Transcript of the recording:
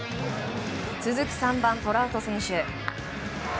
続く３番、トラウト選手。